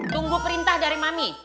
tunggu perintah dari mami